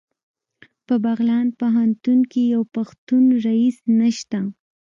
په بغلان پوهنتون کې یو پښتون رییس نشته